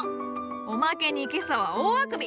おまけに今朝は大あくび。